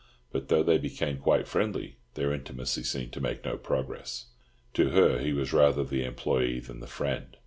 But though they became quite friendly their intimacy seemed to make no progress. To her he was rather the employee than the friend.